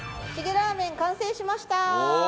チゲラーメン完成しました！